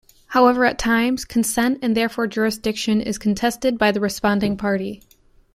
However, at times consent and therefore jurisdiction is contested by the responding party.